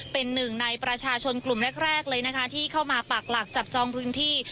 เป็นหนึ่งในประชาชนกลุ่มแรกเลยนะคะที่เข้ามาปากหลักจับจองพื้นที่